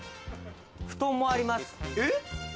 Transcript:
布団もあります。